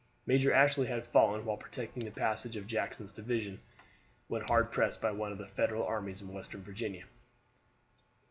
Major Ashley had fallen while protecting the passage of Jackson's division when hard pressed by one of the Federal armies in Western Virginia.